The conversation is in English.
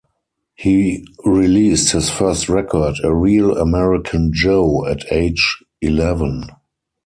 He released his first record "A Real American Joe" at age eleven.